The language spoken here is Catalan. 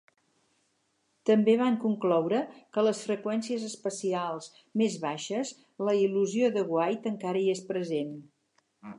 També van concloure que a les freqüències espacials més baixes la il·lusió de White e ncara hi és present.